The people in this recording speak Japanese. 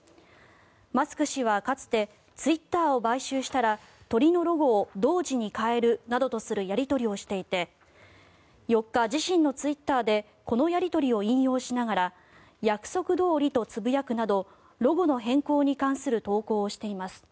マスク氏はかつてツイッターを買収したら鳥のロゴをドージに変えるなどとするやり取りをしていて４日、自身のツイッターでこのやり取りを引用しながら約束どおりとつぶやくなどロゴの変更に関する投稿をしています。